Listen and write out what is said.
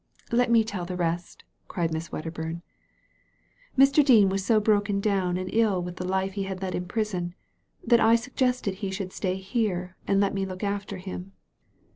"Let me tell the rest," cried Miss Wedderbum. " Mr. Dean was so broken down and ill with the life he had led in prison, that I suggested he should stay here and let me look after him.